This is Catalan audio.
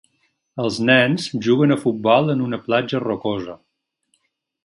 Els nens juguen a futbol en una platja rocosa.